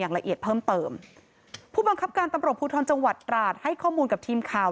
ละเอียดเพิ่มเติมผู้บังคับการตำรวจภูทรจังหวัดตราดให้ข้อมูลกับทีมข่าว